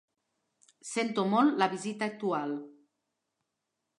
Sento molt la visita actual.